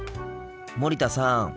森田さん。